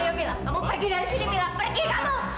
ayo mila kamu pergi dari sini mila pergi kamu